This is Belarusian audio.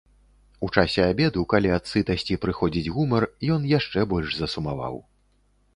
У часе абеду, калі ад сытасці прыходзіць гумар, ён яшчэ больш засумаваў.